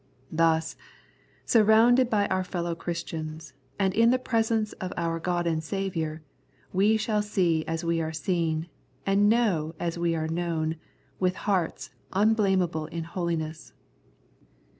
Thus, surrounded by our fellow Christians, and in the presence of our God and Saviour, we shall see as we are seen, and know as we are knovm, with hearts " unblameable in holiness."